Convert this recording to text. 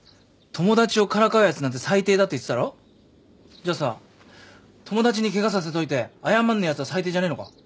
じゃあさ友達にケガさせといて謝んねえやつは最低じゃねえのか？